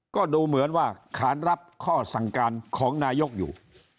ก็ดูเหมือนว่าขานรับข้อสั่งการของนายกอยู่